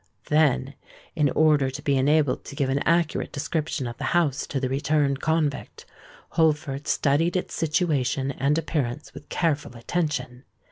Then, in order to be enabled to give an accurate description of the house to the returned convict, Holford studied its situation and appearance with careful attention.